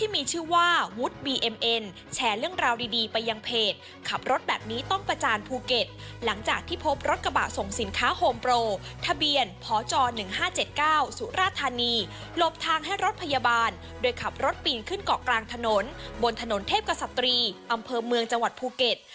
อำเภอเมืองจังหวัดภูเก็ต